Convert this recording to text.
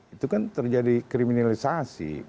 itu kan terjadi kriminalisasi